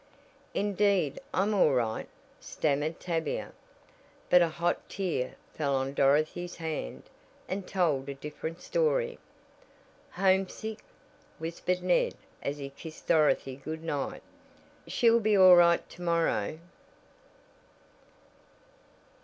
"Indeed I'm all right " stammered Tavia, but a hot tear fell on Dorothy's hand, and told a different story. "Homesick!" whispered Ned as he kissed Dorothy good night. "She'll be all right to morrow."